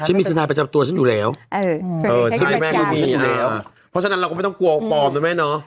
ฉันมีทนายประจำตัวฉันอยู่แล้วเพราะฉะนั้นเราก็ไม่ต้องกลัวปลอมด้วยแม่เนอะ